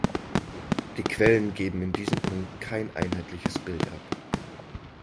Die Quellen geben in diesem Punkt kein einheitliches Bild ab.